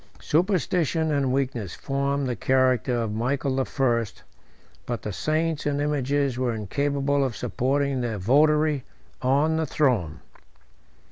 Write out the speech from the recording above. Superstition and weakness formed the character of Michael the First, but the saints and images were incapable of supporting their votary on the throne.